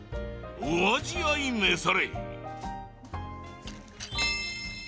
味わい召され。